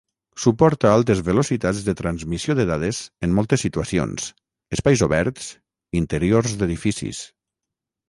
Suporta altes velocitats de transmissió de dades en moltes situacions, espais oberts, interiors d’edificis.